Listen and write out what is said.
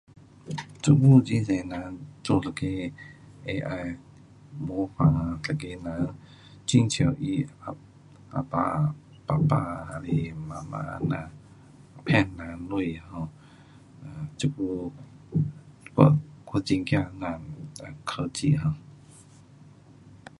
这久很多人做一个 AI 模仿一个人，很像他啊爸，爸爸，还是妈妈这样骗人钱 um，这久我我，很怕这样科技 um